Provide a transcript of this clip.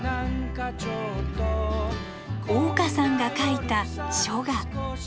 香さんが描いた書画。